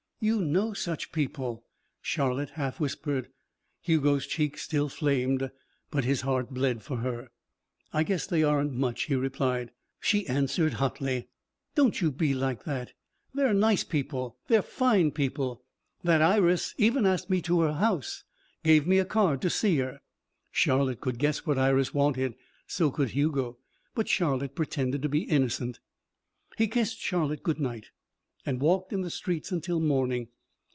"You know such people," Charlotte half whispered. Hugo's cheeks still flamed, but his heart bled for her. "I guess they aren't much," he replied. She answered hotly: "Don't you be like that! They're nice people. They're fine people. That Iris even asked me to her house. Gave me a card to see her." Charlotte could guess what Iris wanted. So could Hugo. But Charlotte pretended to be innocent. He kissed Charlotte good night and walked in the streets until morning.